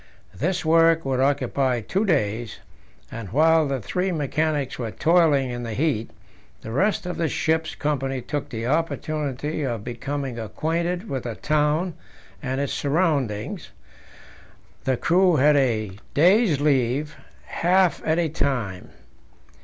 This work would occupy two days, and while the three mechanics were toiling in the heat, the rest of the ship's company took the opportunity of becoming acquainted with the town and its surroundings; the crew had a day's leave, half at a time.